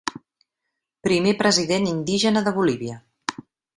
Primer president indígena de Bolívia.